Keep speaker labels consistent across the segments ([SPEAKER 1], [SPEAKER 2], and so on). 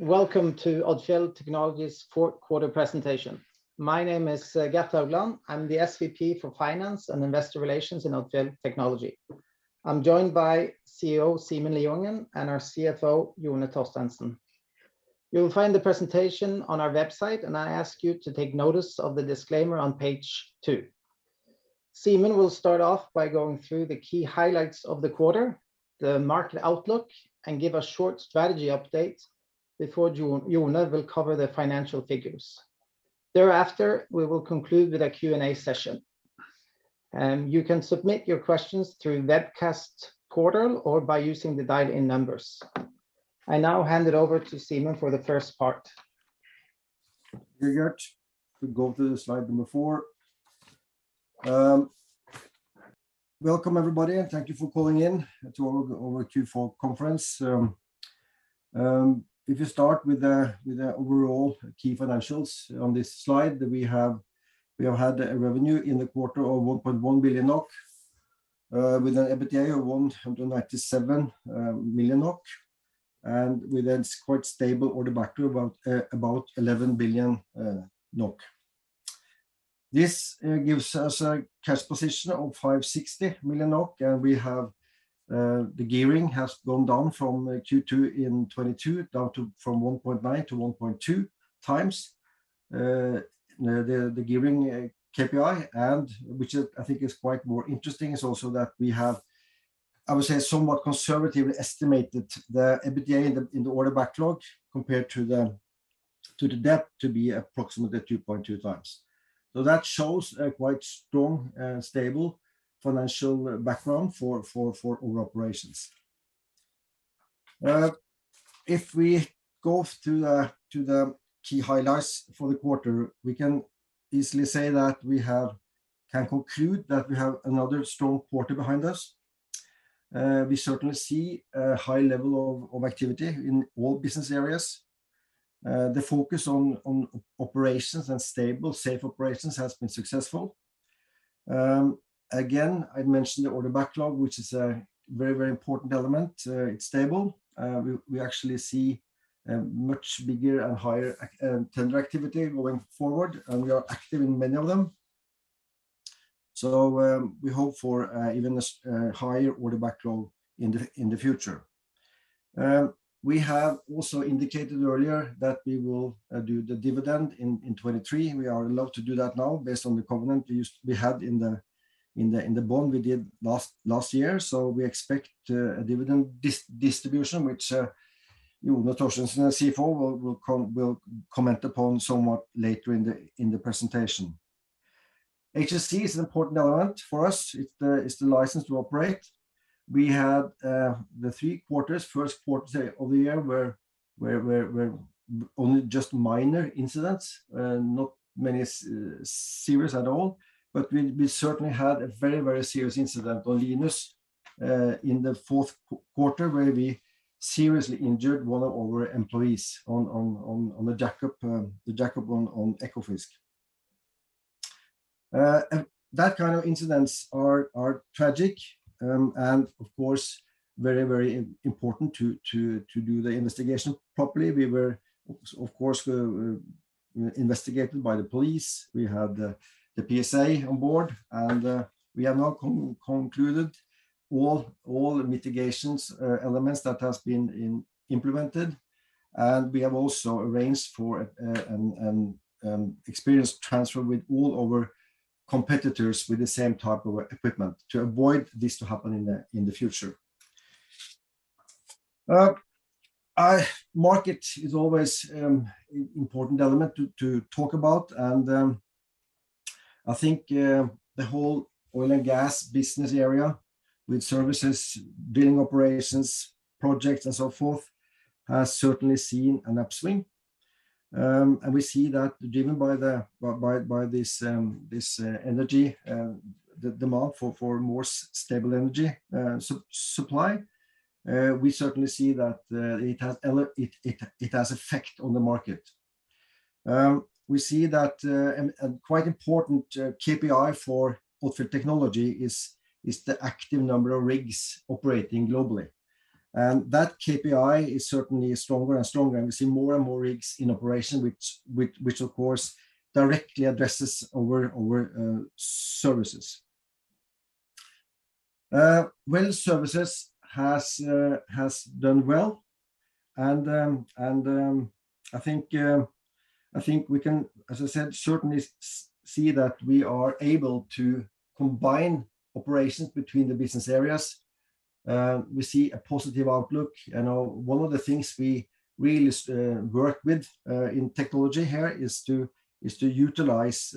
[SPEAKER 1] Welcome to Odfjell Technology's fourth quarter presentation. My name is Gert Haugland. I'm the SVP for Finance and Investor Relations in Odfjell Technology. I'm joined by CEO Simen Lieungh, and our CFO, Jone Torstensen. You'll find the presentation on our website, and I ask you to take notice of the disclaimer on page 2. Simen will start off by going through the key highlights of the quarter, the market outlook, and give a short strategy update before Jone will cover the financial figures. Thereafter, we will conclude with a Q&A session. You can submit your questions through webcast portal or by using the dial-in numbers. I now hand it over to Simen for the first part.
[SPEAKER 2] Thank you, Gert. We go to the slide number four. Welcome everybody, and thank you for calling in to our Q4 conference. If you start with the overall key financials on this slide that we have, we have had a revenue in the quarter of 1.1 billion NOK with an EBITDA of 197 million NOK, and with a quite stable order backlog of about 11 billion NOK. This gives us a cash position of 560 million NOK. The gearing has gone down from Q2 in 2022 down to from 1.9 to 1.2 times the gearing KPI. Which is, I think is quite more interesting is also that we have, I would say, somewhat conservatively estimated the EBITDA in the order backlog compared to the debt to be approximately 2.2 times. That shows a quite strong and stable financial background for our operations. If we go through the key highlights for the quarter, we can easily say that we can conclude that we have another strong quarter behind us. We certainly see a high level of activity in all business areas. The focus on operations and stable, safe operations has been successful. Again, I mentioned the order backlog which is a very important element. It's stable. We actually see much bigger and higher tender activity going forward, and we are active in many of them. We hope for even a higher order backlog in the future. We have also indicated earlier that we will do the dividend in 2023. We are allowed to do that now based on the covenant we had in the bond we did last year. We expect a dividend distribution which Jone Torstensen, our CFO, will comment upon somewhat later in the presentation. HSE is an important element for us. It's the license to operate. We had the 3/4, first quarter, say, of the year were only just minor incidents, not many serious at all. We certainly had a very, very serious incident on Linus in the fourth quarter where we seriously injured one of our employees on a jack-up, the jack-up on Ekofisk. That kind of incidents are tragic, and of course, very, very important to do the investigation properly. We were of course, investigated by the police. We had the PSA on board, and we have now concluded all the mitigations elements that has been implemented. We have also arranged for an experience transfer with all our competitors with the same type of equipment to avoid this to happen in the future. Market is always an important element to talk about. I think the whole oil and gas business area with services, drilling operations, projects and so forth, has certainly seen an upswing. We see that driven by this energy, the demand for more stable energy supply. We certainly see that it has effect on the market. We see that and quite important KPI for Odfjell Technology is the active number of rigs operating globally. That KPI is certainly stronger and stronger, and we see more and more rigs in operation which of course directly addresses our services. Well, services has done well and I think we can, as I said, certainly see that we are able to combine operations between the business areas. We see a positive outlook. You know, one of the things we really work with in technology here is to utilize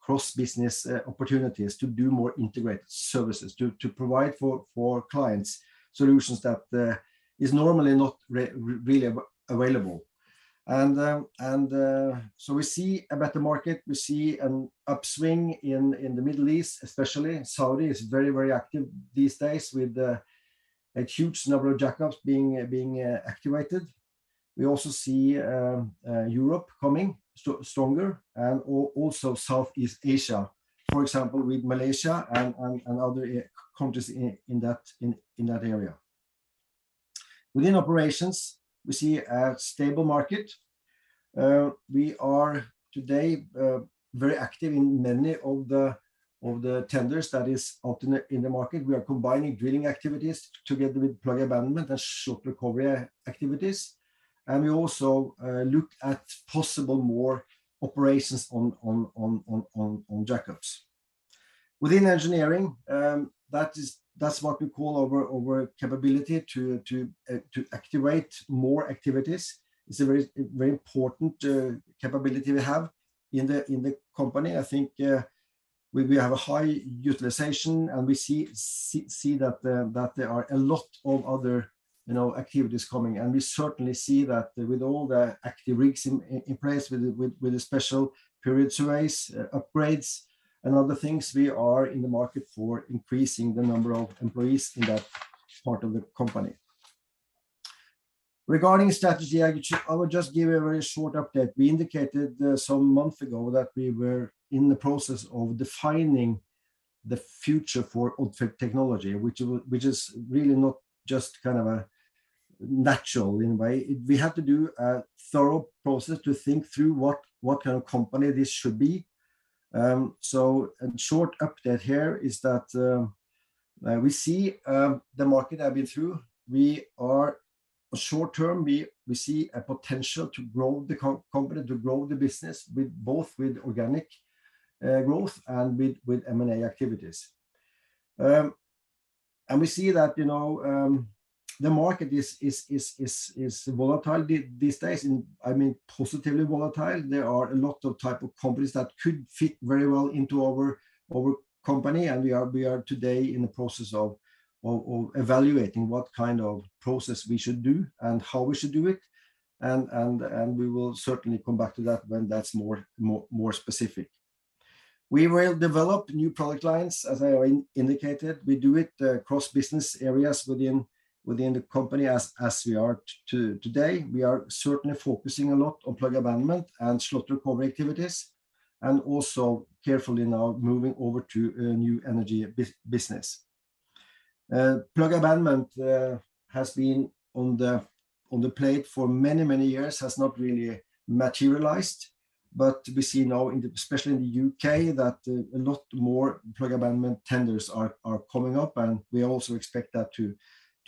[SPEAKER 2] cross-business opportunities to do more integrated services. To provide for clients solutions that is normally not really available. We see a better market. We see an upswing in the Middle East, especially Saudi is very active these days with a huge number of jackups being activated. We also see Europe coming stronger and also Southeast Asia. For example, with Malaysia and other countries in that area. Within operations, we see a stable market. We are today very active in many of the tenders that is out in the market. We are combining drilling activities together with plug abandonment and slot recovery activities. We also look at possible more operations on jackups. Within engineering, that's what we call our capability to activate more activities. It's a very important capability we have in the company. I think we have a high utilization, and we see that there are a lot of other, you know, activities coming. We certainly see that with all the active rigs in place with the Special periodical surveys, upgrades and other things, we are in the market for increasing the number of employees in that part of the company. Regarding strategy, I would just give a very short update. We indicated some month ago that we were in the process of defining the future for Odfjell Technology, which is really not just kind of a natural in a way. We have to do a thorough process to think through what kind of company this should be. short update here is that we see the market have been through. short-term, we see a potential to grow the company, to grow the business with both with organic growth and with M&A activities. We see that, you know, the market is volatile these days, I mean, positively volatile. There are a lot of type of companies that could fit very well into our company, we are today in the process of evaluating what kind of process we should do and how we should do it. We will certainly come back to that when that's more specific. We will develop new product lines, as I indicated. We do it cross-business areas within the company as we are today. We are certainly focusing a lot on plug abandonment and slot recovery activities, also carefully now moving over to a new energy business. Plug abandonment has been on the plate for many years, has not really materialized. We see now in the, especially in the UK, that a lot more plug and abandonment tenders are coming up, and we also expect that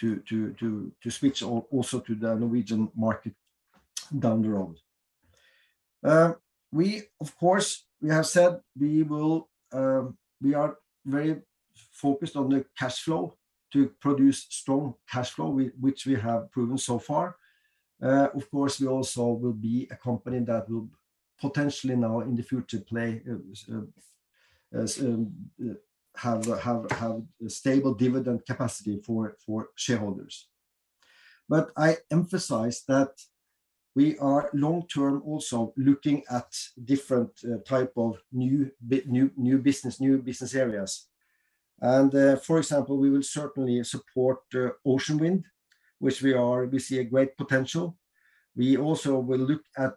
[SPEAKER 2] to switch also to the Norwegian market down the road. We, of course, we have said we will, we are very focused on the cash flow to produce strong cash flow, which we have proven so far. Of course, we also will be a company that will potentially now in the future play as a stable dividend capacity for shareholders. I emphasize that we are long-term also looking at different type of new business areas. For example, we will certainly support ocean wind, which we see a great potential. We also will look at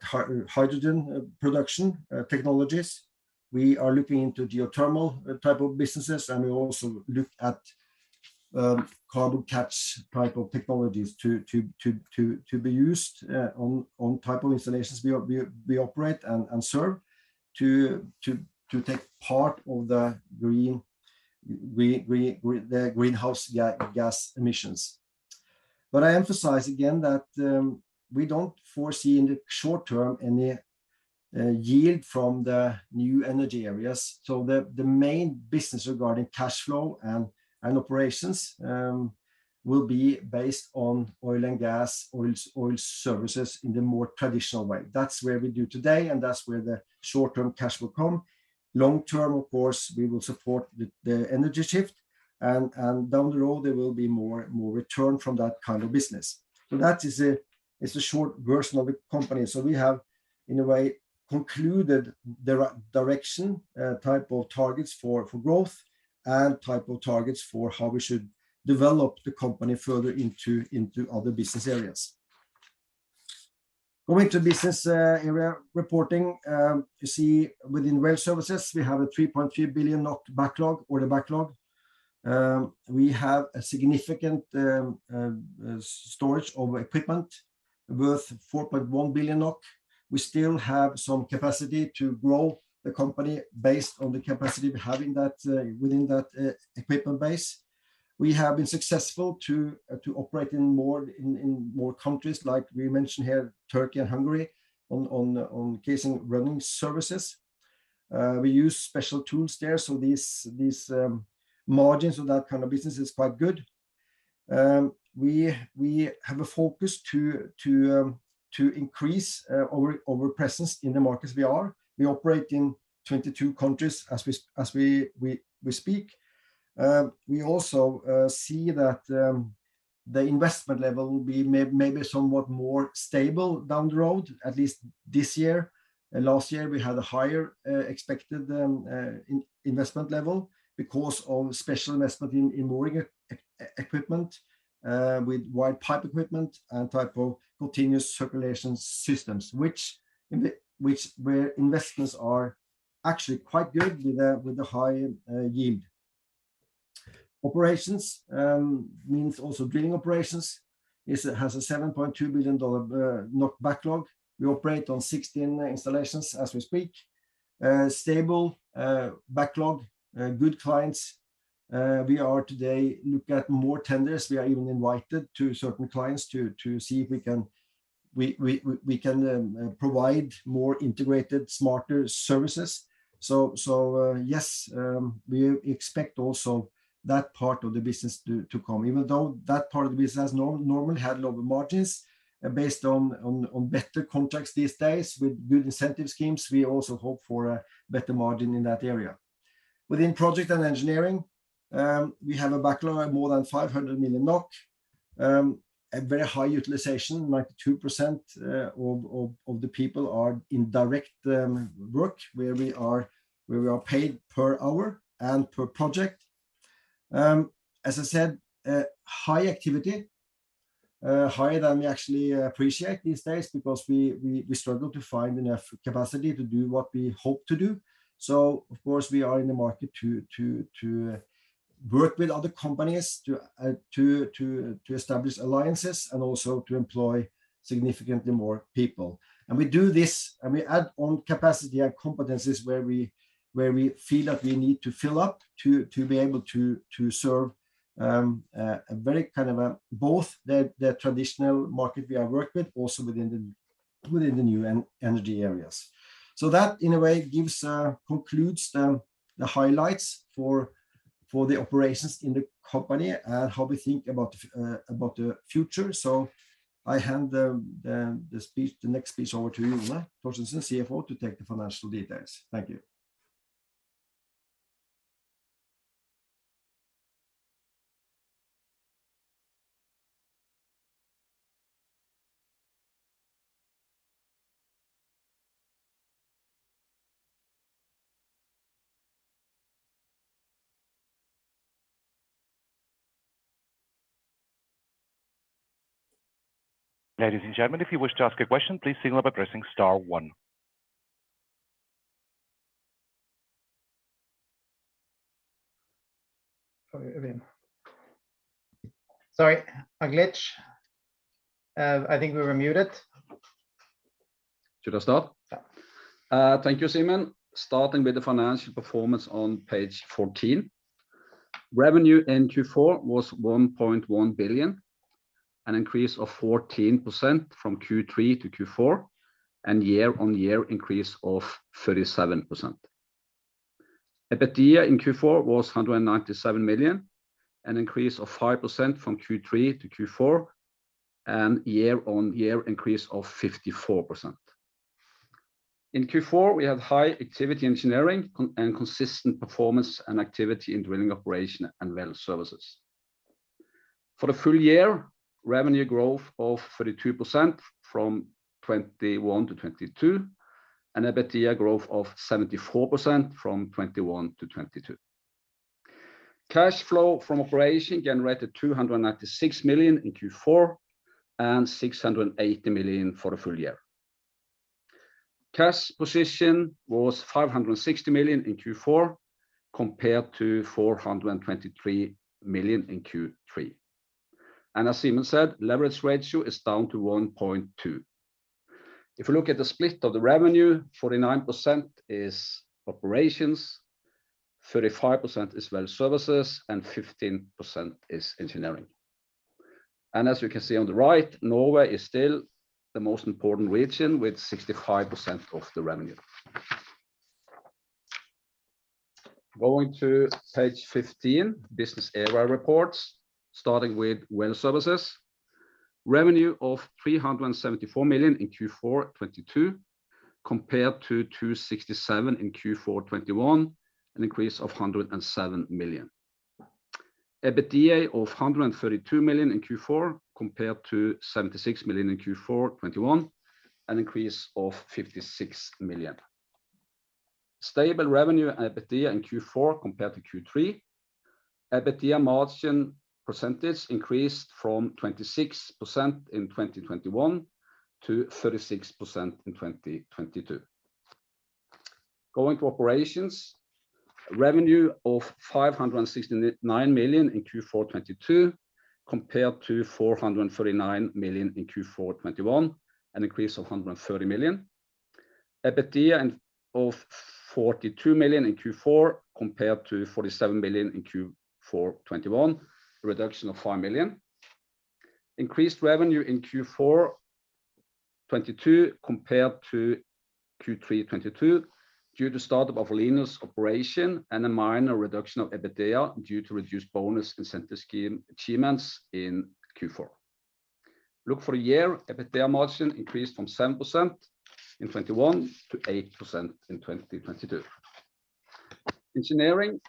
[SPEAKER 2] hydrogen production technologies. We are looking into geothermal type of businesses, and we also look at carbon catch type of technologies to be used on type of installations we operate and serve to take part of the greenhouse gas emissions. I emphasize again that we don't foresee in the short term any yield from the new energy areas. The main business regarding cash flow and operations will be based on oil and gas, oil services in the more traditional way. That's where we do today, and that's where the short-term cash will come. Long term, of course, we will support the energy shift, and down the road there will be more, more return from that kind of business. That is a short version of the company. We have in a way concluded the direction type of targets for growth and type of targets for how we should develop the company further into other business areas. Going to business area reporting, you see within well services we have a 3.3 billion NOK backlog, order backlog. We have a significant storage of equipment worth 4.1 billion NOK. We still have some capacity to grow the company based on the capacity we're having that within that equipment base. We have been successful to operate in more countries, like we mentioned here, Turkey and Hungary, on casing running services. We use special tools there, these margins of that kind of business is quite good. We have a focus to increase our presence in the markets we are. We operate in 22 countries as we speak. We also see that the investment level will be maybe somewhat more stable down the road, at least this year. Last year we had a higher expected investment level because of special investment in boring equipment with wide type equipment and type of continuous circulation systems, which where investments are actually quite good with the high yield. Operations means also drilling operations. It has a 7.2 billion NOC backlog. We operate on 16 installations as we speak. Stable backlog, good clients. We are today look at more tenders. We are even invited to certain clients to see if we can provide more integrated, smarter services. Yes, we expect also that part of the business to come. Even though that part of the business has normally had lower margins, based on better contracts these days with good incentive schemes, we also hope for a better margin in that area. Within project and engineering, we have a backlog of more than 500 million NOK. A very high utilization, like 2%, of the people are in direct work, where we are paid per hour and per project. As I said, high activity, higher than we actually appreciate these days because we struggle to find enough capacity to do what we hope to do. Of course, we are in the market to work with other companies to establish alliances and also to employ significantly more people. We do this, and we add on capacity and competencies where we feel that we need to fill up to be able to serve a very kind of a both the traditional market we are working with, also within the new energy areas. That, in a way, gives, concludes the highlights for the operations in the company and how we think about the future. I hand the speech, the next speech over to Jone Torstensen, CFO, to take the financial details. Thank you.
[SPEAKER 3] Ladies and gentlemen, if you wish to ask a question, please signal by pressing star one.
[SPEAKER 2] Sorry, a glitch. I think we were muted.
[SPEAKER 4] Should I start?
[SPEAKER 2] Yeah.
[SPEAKER 4] Thank you, Simen. Starting with the financial performance on page 14. Revenue in Q4 was 1.1 billion, an increase of 14% from Q3 to Q4, and year-over-year increase of 37%. EBITDA in Q4 was 197 million, an increase of 5% from Q3 to Q4, and year-over-year increase of 54%. In Q4, we have high activity engineering and consistent performance and activity in drilling operation and well services. For the full year, revenue growth of 32% from 2021 to 2022, and EBITDA growth of 74% from 2021 to 2022. Cash flow from operation generated 296 million in Q4 and 680 million for the full year. Cash position was 560 million in Q4 compared to 423 million in Q3. As Simen said, leverage ratio is down to 1.2. If you look at the split of the revenue, 49% is operations, 35% is well services, and 15% is engineering. As you can see on the right, Norway is still the most important region with 65% of the revenue. Going to page 15, business area reports, starting with well services. Revenue of 374 million in Q4 2022 compared to 267 million in Q4 2021, an increase of 107 million. EBITDA of 132 million in Q4 compared to 76 million in Q4 2021, an increase of 56 million. Stable revenue and EBITDA in Q4 compared to Q3. EBITDA margin percentage increased from 26% in 2021 to 36% in 2022. Going to operations. Revenue of 569 million in Q4 2022 compared to 439 million in Q4 2021, an increase of 130 million. EBITDA of 42 million in Q4 compared to 47 million in Q4 2021, a reduction of 5 million. Increased revenue in Q4 2022 compared to Q3 2022 due to startup of Linus operation and a minor reduction of EBITDA due to reduced bonus incentive scheme achievements in Q4. Look for the year, EBITDA margin increased from 7% in 2021 to 8% in 2022. Engineering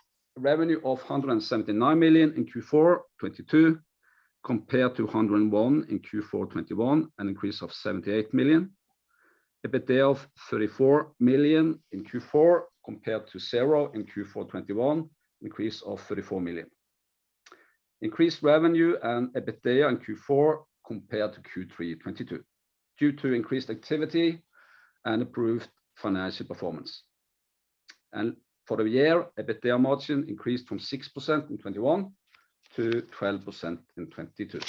[SPEAKER 4] revenue of 179 million in Q4 2022 compared to 101 in Q4 2021, an increase of 78 million. EBITDA of 34 million in Q4 compared to 0 in Q4 2021, increase of 34 million. Increased revenue and EBITDA in Q4 compared to Q3 2022, due to increased activity and improved financial performance. For the year, EBITDA margin increased from 6% in 2021 to 12% in 2022.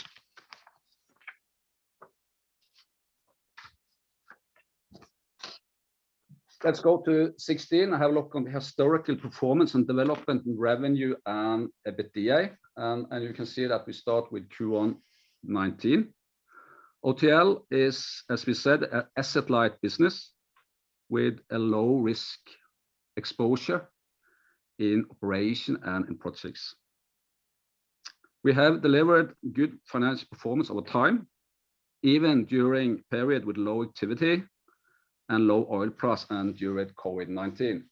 [SPEAKER 4] Let's go to 16, have a look on the historical performance and development in revenue and EBITDA. You can see that we start with Q1 2019. OTL is, as we said, a asset-light business with a low-risk exposure in operation and in projects. We have delivered good financial performance over time, even during period with low activity and low oil price and during COVID-19.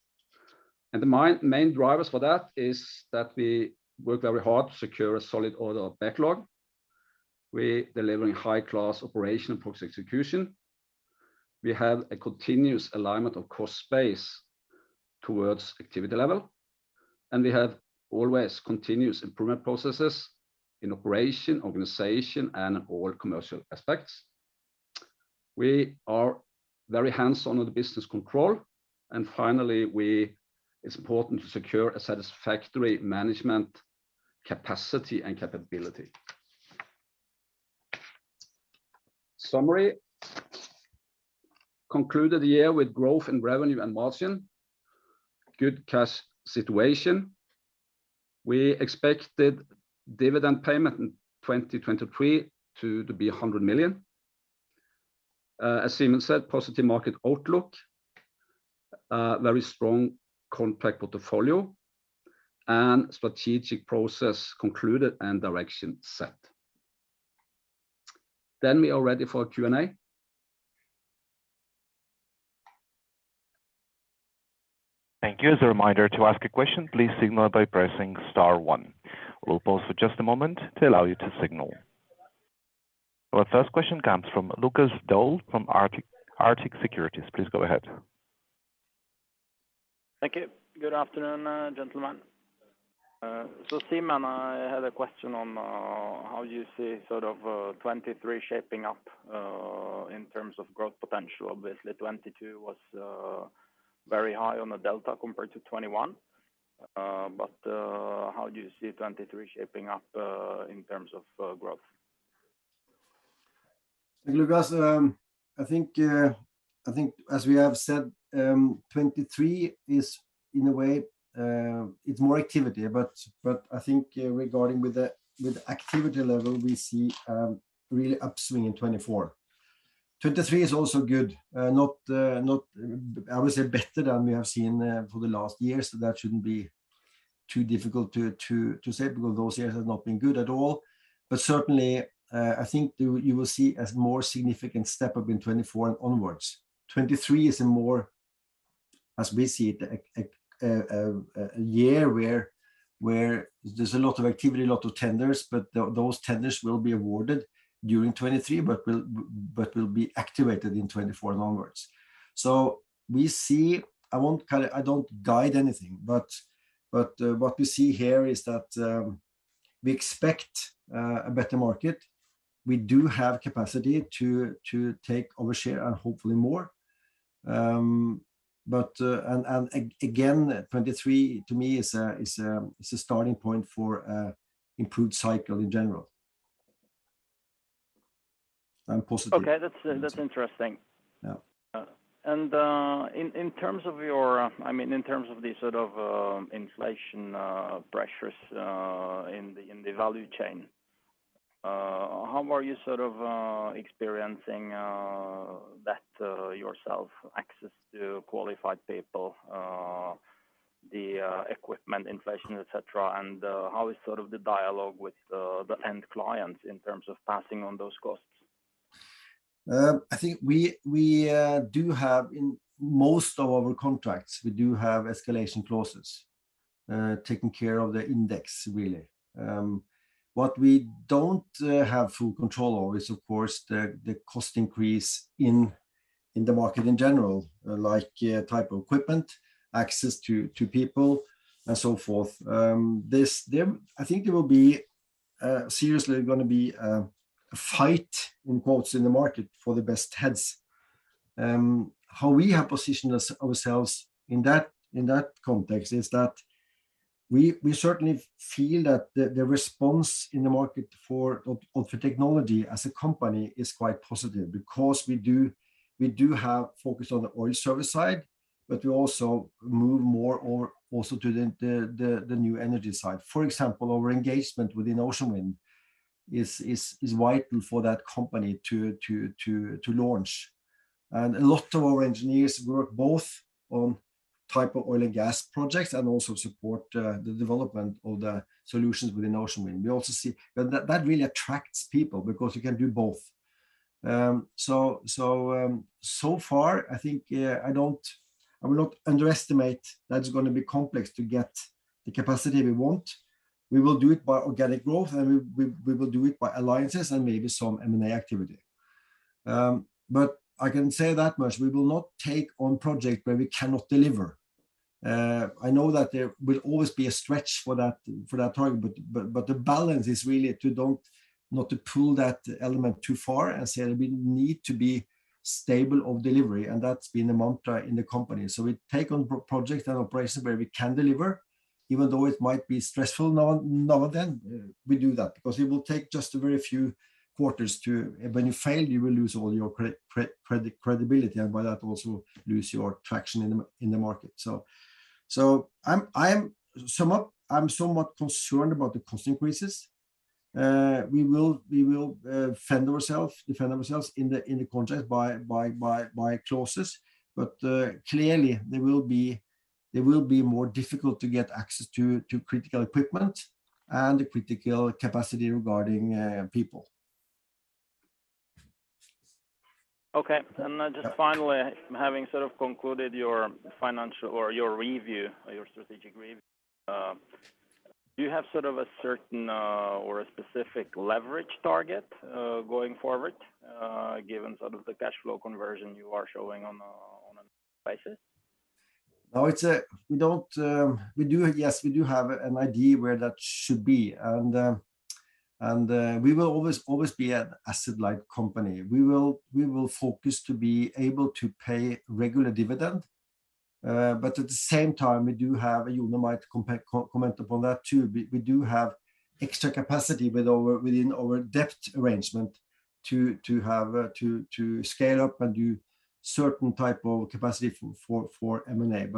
[SPEAKER 4] The main drivers for that is that we work very hard to secure a solid order backlog. We delivering high-class operation and project execution. We have a continuous alignment of cost base towards activity level. We have always continuous improvement processes in operation, organization, and all commercial aspects. We are very hands-on with the business control. Finally, we... It's important to secure a satisfactory management capacity and capability. Summary. Concluded the year with growth in revenue and margin. Good cash situation. We expected dividend payment in 2023 to be 100 million. As Simen said, positive market outlook. Very strong contract portfolio. Strategic process concluded and direction set. We are ready for Q&A.
[SPEAKER 3] Thank you. As a reminder, to ask a question, please signal by pressing star one. We'll pause for just a moment to allow you to signal. Our first question comes from Lukas Daul from Arctic Securities. Please go ahead.
[SPEAKER 5] Thank you. Good afternoon, gentlemen. Simen, I had a question on how you see sort of 2023 shaping up in terms of growth potential. Obviously, 2022 was very high on the delta compared to 2021. How do you see 2023 shaping up in terms of growth?
[SPEAKER 2] Lukas, I think, I think as we have said, 2023 is, in a way, it's more activity. I think regarding with the activity level, we see really upswing in 2024. 2023 is also good. Not, I would say better than we have seen for the last years, so that shouldn't be too difficult to say because those years have not been good at all. Certainly, I think you will see as more significant step up in 2024 and onwards. 2023 is a more, as we see, a year where there's a lot of activity, a lot of tenders, but those tenders will be awarded during 2023, but will be activated in 2024 onwards. We see. I don't guide anything, but, what we see here is that, we expect a better market. We do have capacity to take our share and hopefully more. Again, 2023 to me is a starting point for a improved cycle in general. I'm positive.
[SPEAKER 5] Okay. That's interesting.
[SPEAKER 2] Yeah.
[SPEAKER 5] In terms of your... I mean, in terms of the sort of inflation pressures in the value chain, how are you sort of experiencing that yourself? Access to qualified people, the equipment inflation, et cetera. How is sort of the dialogue with the end clients in terms of passing on those costs?
[SPEAKER 2] I think we do have Most of our contracts, we do have escalation clauses, taking care of the index really. What we don't have full control of is, of course, the cost increase in the market in general, like type of equipment, access to people, and so forth. I think it will be seriously gonna be a fight, in quotes, in the market for the best heads. How we have positioned ourselves in that, in that context is that we certainly feel that the response in the market for Odfjell Technology as a company is quite positive because we do have focus on the oil service side, but we also move more or also to the new energy side. For example, our engagement within Odfjell Oceanwind is vital for that company to launch. A lot of our engineers work both on type of oil and gas projects and also support the development of the solutions within Odfjell Oceanwind. That really attracts people because you can do both. So far, I think, I will not underestimate that it's gonna be complex to get the capacity we want. We will do it by organic growth, we will do it by alliances and maybe some M&A activity. I can say that much, we will not take on project where we cannot deliver. I know that there will always be a stretch for that target, but the balance is really to not to pull that element too far and say that we need to be stable of delivery, and that's been the mantra in the company. We take on projects and operations where we can deliver, even though it might be stressful now and then, we do that. It will take just a very few quarters to... When you fail, you will lose all your credibility, and by that also lose your traction in the market. I'm somewhat concerned about the cost increases. We will defend ourselves in the contract by clauses. Clearly there will be more difficult to get access to critical equipment and critical capacity regarding people.
[SPEAKER 5] Okay. Just finally, having sort of concluded your financial or your review, or your strategic review, do you have sort of a certain, or a specific leverage target, going forward, given sort of the cash flow conversion you are showing on a, on a basis?
[SPEAKER 2] No. We do, yes, we do have an idea where that should be. We will always be an asset-light company. We will focus to be able to pay regular dividend. At the same time, we do have, and Jone might comment upon that too, we do have extra capacity within our debt arrangement to have to scale up and do certain type of capacity for M&A.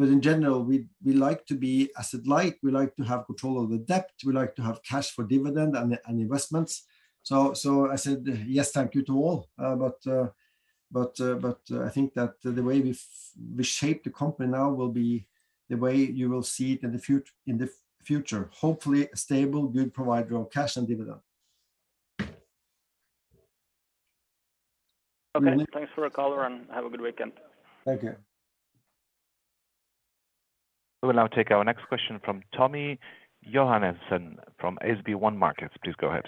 [SPEAKER 2] In general, we like to be asset-light, we like to have control of the debt, we like to have cash for dividend and investments. I said, yes, thank you to all. I think that the way we shape the company now will be the way you will see it in the future. Hopefully a stable, good provider of cash and dividend.
[SPEAKER 5] Okay. Thanks for the call, Jone, and have a good weekend.
[SPEAKER 2] Thank you.
[SPEAKER 3] We will now take our next question from Tommy Johansen from SB1 Markets. Please go ahead.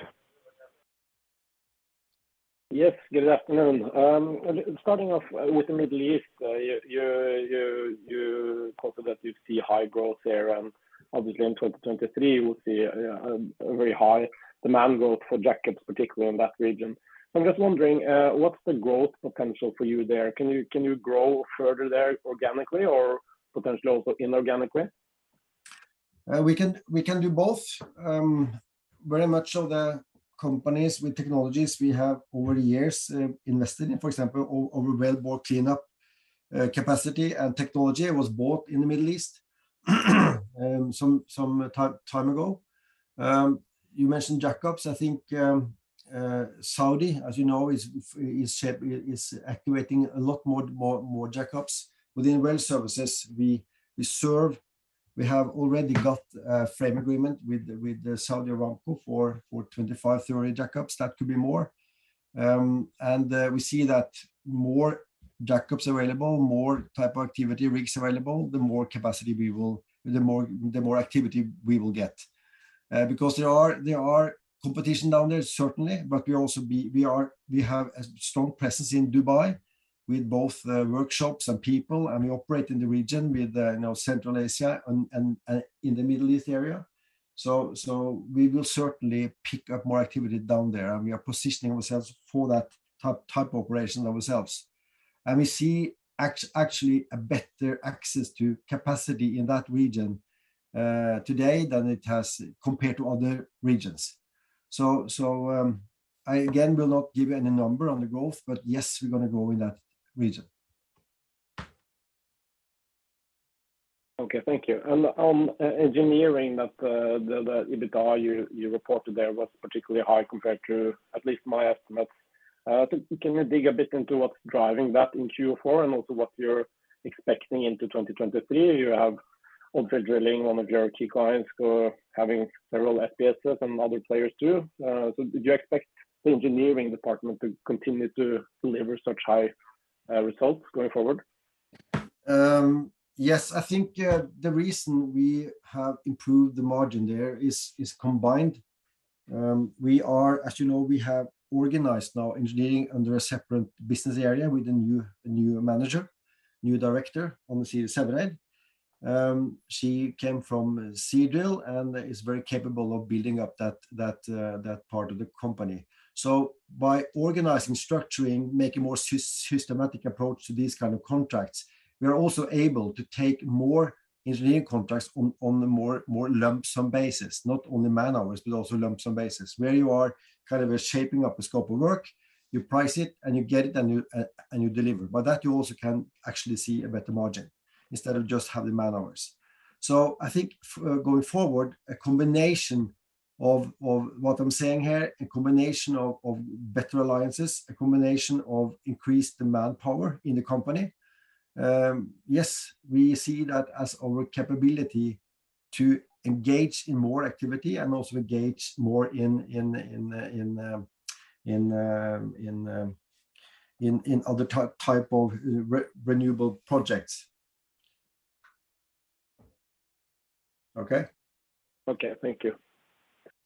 [SPEAKER 6] Yes, good afternoon. Starting off with the Middle East, you talked about you see high growth there, and obviously in 2023 we'll see a very high demand growth for jackups, particularly in that region. I'm just wondering, what's the growth potential for you there? Can you grow further there organically or potentially also inorganically?
[SPEAKER 2] We can do both. Very much of the companies with technologies we have over the years invested in, for example, our Wellbore cleanup capacity and technology was bought in the Middle East some time ago. You mentioned jackups. I think Saudi, as you know, is activating a lot more jackups. Within well services we have already got a frame agreement with Saudi Aramco for 25, 30 jackups, that could be more. We see that more jackups available, more type of activity rigs available, the more activity we will get. Because there are competition down there certainly, but we are, we have a strong presence in Dubai with both workshops and people, and we operate in the region with now Central Asia and in the Middle East area. We will certainly pick up more activity down there, and we are positioning ourselves for that type of operation ourselves. We see actually a better access to capacity in that region today than it has compared to other regions. I again will not give any number on the growth, but yes, we're gonna grow in that region.
[SPEAKER 6] Okay, thank you. Engineering that, the EBITDA you reported there was particularly high compared to at least my estimates. Can you dig a bit into what's driving that in Q4 and also what you're expecting into 2023? You have offshore drilling, one of your key clients who are having several FPSOs and other players too. Do you expect the engineering department to continue to deliver such high results going forward?
[SPEAKER 2] Yes. I think the reason we have improved the margin there is combined. We are, as you know, we have organized now engineering under a separate business area with a new manager, new director, Onorina Sweeney. She came from Seadrill and is very capable of building up that part of the company. By organizing, structuring, making more systematic approach to these kind of contracts, we are also able to take more engineering contracts on a more lump sum basis, not only man-hours, but also lump sum basis. Where you are kind of shaping up a scope of work, you price it, and you get it, and you deliver. By that you also can actually see a better margin instead of just having man-hours. I think going forward, a combination of what I'm saying here, a combination of better alliances, a combination of increased manpower in the company, yes, we see that as our capability to engage in more activity and also engage more in other type of renewable projects. Okay.
[SPEAKER 6] Thank you.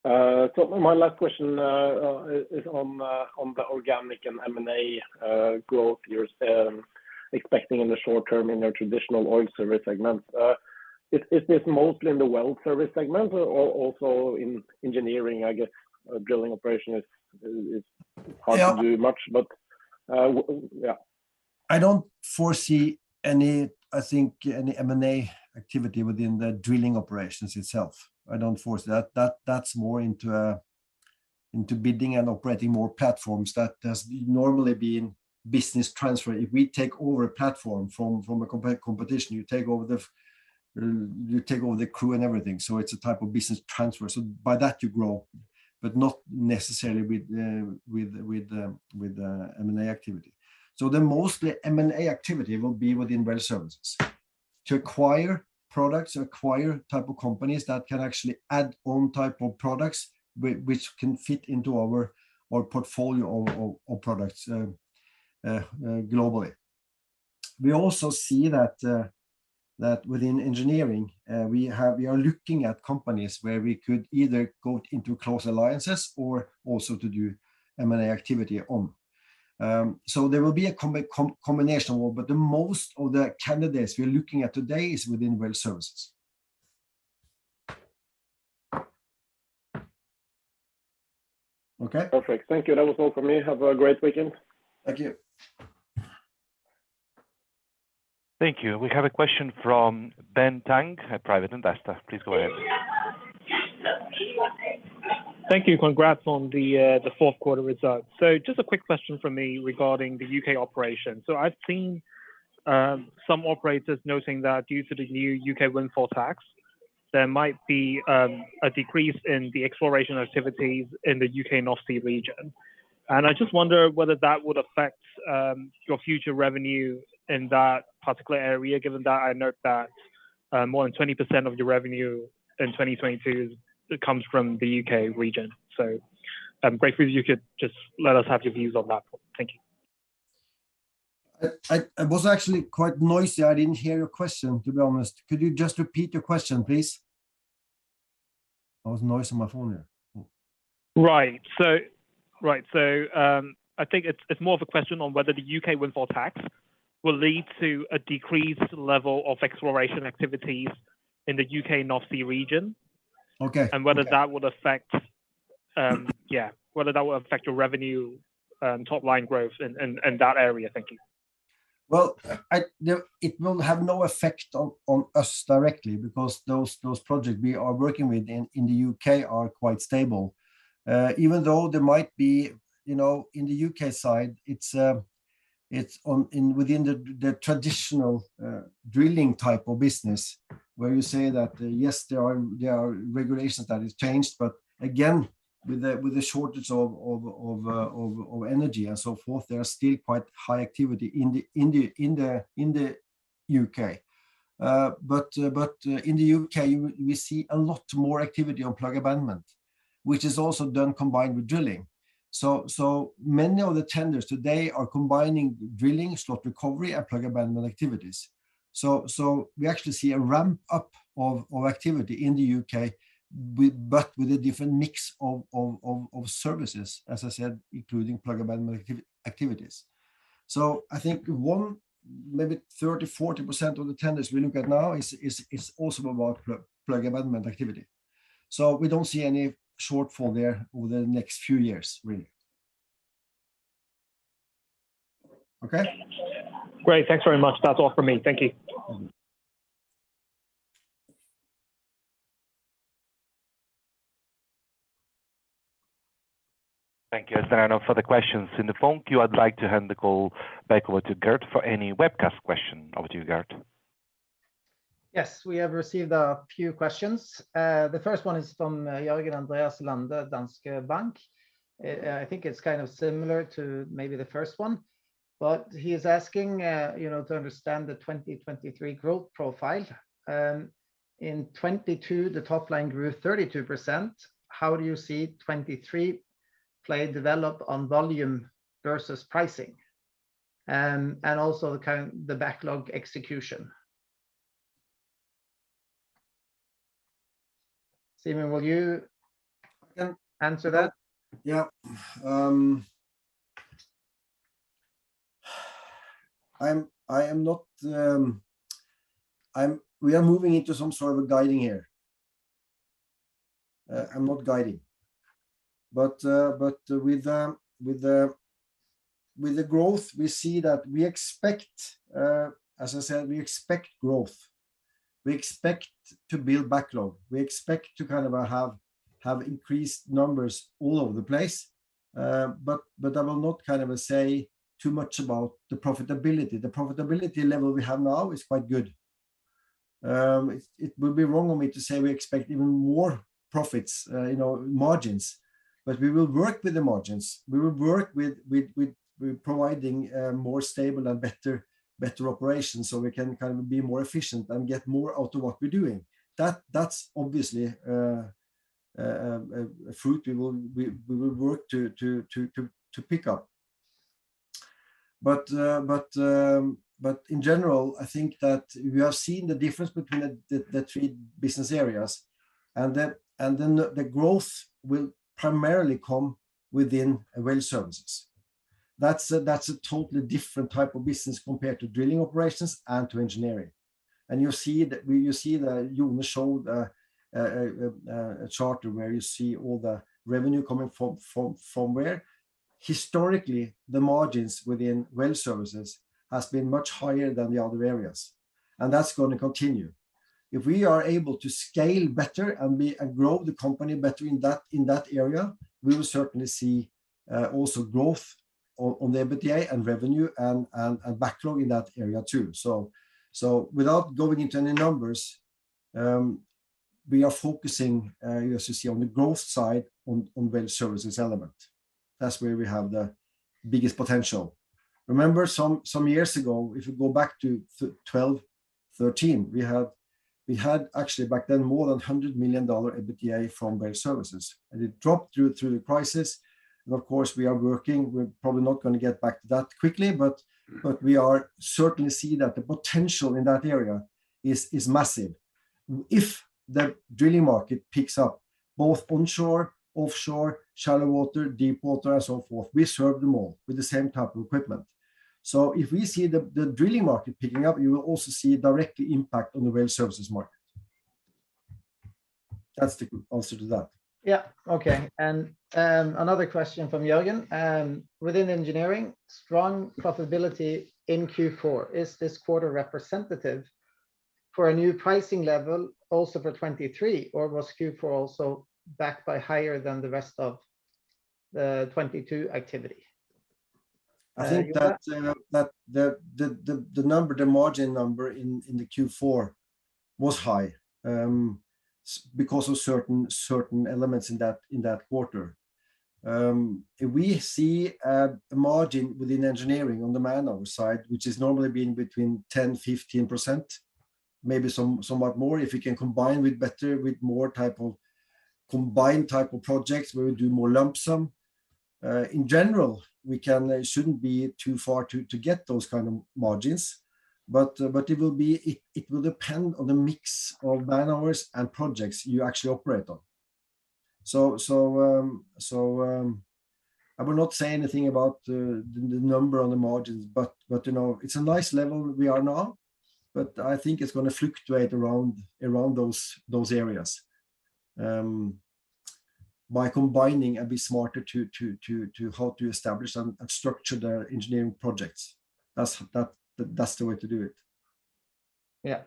[SPEAKER 6] My last question is on the organic and M&A growth you're expecting in the short term in your traditional oil service segment. Is this mostly in the well service segment or also in engineering? I guess drilling operation is hard to do much, but yeah.
[SPEAKER 2] I don't foresee any, I think, any M&A activity within the drilling operations itself. I don't foresee that's more into bidding and operating more platforms that has normally been business transfer. If we take over a platform from a competition, you take over the crew and everything, so it's a type of business transfer. By that you grow, but not necessarily with M&A activity. The mostly M&A activity will be within well services to acquire products, acquire type of companies that can actually add on type of products which can fit into our portfolio of products globally. We also see that within engineering, we have... We are looking at companies where we could either go into close alliances or also to do M&A activity on. There will be a combination, but the most of the candidates we are looking at today is within well services. Okay?
[SPEAKER 6] Perfect. Thank you. That was all from me. Have a great weekend.
[SPEAKER 2] Thank you.
[SPEAKER 3] Thank you. We have a question from Ben Tang, a private investor. Please go ahead.
[SPEAKER 7] Thank you. Congrats on the the fourth quarter results. Just a quick question from me regarding the UK operation. I've seen some operators noting that due to the new UK windfall tax, there might be a decrease in the exploration activities in the UK North Sea region. I just wonder whether that would affect your future revenue in that particular area, given that I note that more than 20% of your revenue in 2022 comes from the UK region. I'm grateful if you could just let us have your views on that. Thank you.
[SPEAKER 2] I, it was actually quite noisy. I didn't hear your question, to be honest. Could you just repeat your question, please? There was noise on my phone there.
[SPEAKER 7] Right. I think it's more of a question on whether the U.K. windfall tax will lead to a decreased level of exploration activities in the U.K. North Sea region.
[SPEAKER 2] Okay.
[SPEAKER 7] Whether that would affect, yeah, whether that would affect your revenue, top line growth in that area. Thank you.
[SPEAKER 2] Well, it will have no effect on us directly because those projects we are working with in the U.K. are quite stable. Even though there might be, you know, in the U.K. side, it's within the traditional drilling type of business, where you say that, yes, there are regulations that has changed, but again, with the shortage of energy and so forth, there are still quite high activity in the U.K. In the U.K., we see a lot more activity on plug abandonment, which is also done combined with drilling. Many of the tenders today are combining drilling, slot recovery and plug abandonment activities. We actually see a ramp up of activity in the UK but with a different mix of services, as I said, including plug abandonment activities. I think maybe 30%-40% of the tenders we look at now is also about plug abandonment activity. We don't see any shortfall there over the next few years really. Okay?
[SPEAKER 7] Great. Thanks very much. That's all from me. Thank you.
[SPEAKER 3] Thank you. There are no further questions in the phone queue. I'd like to hand the call back over to Gert for any webcast question. Over to you, Gert.
[SPEAKER 1] Yes, we have received a few questions. The first one is from Jørgen Andreas Lande, Danske Bank. I think it's kind of similar to maybe the first one, he is asking, you know, to understand the 2023 growth profile. In 2022, the top line grew 32%. How do you see 2023 play develop on volume versus pricing, and also the backlog execution? Simen, will you, answer that?
[SPEAKER 2] Yeah. We are moving into some sort of guiding here. I'm not guiding, but with the growth, we see that we expect, as I said, we expect growth. We expect to build backlog. We expect to kind of have increased numbers all over the place. I will not kind of say too much about the profitability. The profitability level we have now is quite good. It would be wrong of me to say we expect even more profits, you know, margins, but we will work with the margins. We will work with providing more stable and better operations so we can kind of be more efficient and get more out of what we're doing. That's obviously a fruit we will work to pick up. In general, I think that we have seen the difference between the three business areas, and then the growth will primarily come within well services. That's a totally different type of business compared to drilling operations and to engineering. You see the Jone showed a chart where you see all the revenue coming from where. Historically, the margins within well services has been much higher than the other areas and that's gonna continue. If we are able to scale better and grow the company better in that area, we will certainly see also growth on the EBITDA and revenue and backlog in that area too. Without going into any numbers, we are focusing as you see on the growth side on well services element. That's where we have the biggest potential. Remember some years ago, if you go back to 12, 13, we had actually back then more than $100 million EBITDA from well services, and it dropped through the prices. Of course, we are working. We're probably not gonna get back to that quickly, but we are certainly see that the potential in that area is massive. If the drilling market picks up both onshore, offshore, shallow water, deep water, so forth, we serve them all with the same type of equipment. If we see the drilling market picking up, you will also see direct impact on the well services market. That's the answer to that.
[SPEAKER 1] Yeah. Okay. Another question from Jurgen. Within engineering, strong profitability in Q4, is this quarter representative for a new pricing level also for 2023, or was Q4 also backed by higher than the rest of the 2022 activity?
[SPEAKER 2] I think that the number, the margin number in the Q4 was high, because of certain elements in that quarter. We see a margin within engineering on the man-hours side, which has normally been between 10%-15%, maybe somewhat more if you can combine with better, with more type of combined type of projects where we do more lump sum. In general, we can, shouldn't be too far to get those kind of margins, but it will be. It will depend on the mix of man hours and projects you actually operate on. I will not say anything about the number on the margins, but you know, it's a nice level we are now, but I think it's gonna fluctuate around those areas. By combining and be smarter to how to establish and structure the engineering projects, that's the way to do it.
[SPEAKER 1] Yeah.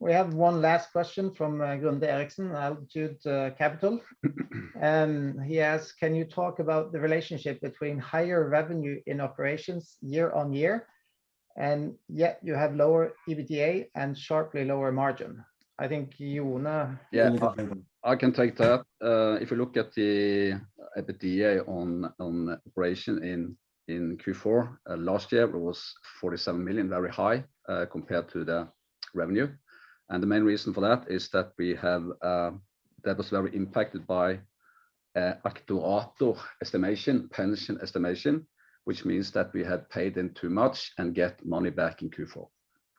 [SPEAKER 1] We have one last question from Grunde G. Eriksen, Altitude Capital. He asks, "Can you talk about the relationship between higher revenue in operations year-on-year, and yet you have lower EBITDA and sharply lower margin?" I think, Jon-
[SPEAKER 4] Yeah.
[SPEAKER 1] You want to take that one?
[SPEAKER 4] I can take that. If you look at the EBITDA on operation in Q4, last year it was 47 million, very high, compared to the revenue. The main reason for that is that we have that was very impacted by actuarial estimation, pension estimation, which means that we had paid in too much and get money back in Q4.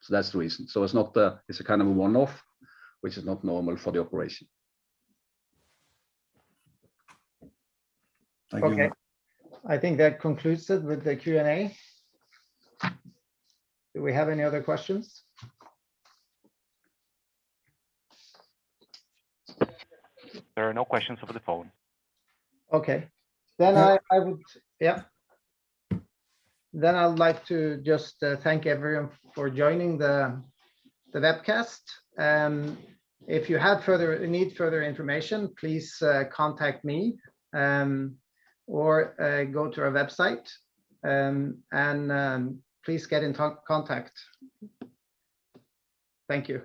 [SPEAKER 4] That's the reason. It's not the. It's a kind of a one-off, which is not normal for the operation.
[SPEAKER 1] Okay.
[SPEAKER 4] Thank you.
[SPEAKER 1] I think that concludes it with the Q&A. Do we have any other questions?
[SPEAKER 3] There are no questions over the phone.
[SPEAKER 1] Okay. I would. Yeah. I would like to just thank everyone for joining the webcast. If you have further, need further information, please contact me, or go to our website. Please get in contact. Thank you.